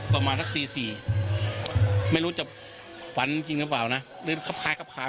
ประมาณสักตีสี่ไม่รู้จะฝันจริงหรือเปล่านะลืมครับคล้ายครับขาย